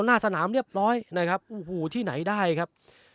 หน้าสนามเรียบร้อยนะครับโอ้โหที่ไหนได้ครับ